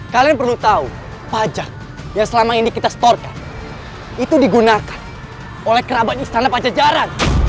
kalian perlu tahu pajak yang selama ini kita setorkan itu digunakan oleh kerabat istana pajajaran